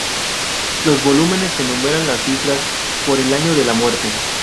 Los volúmenes enumeran las cifras por el año de la muerte.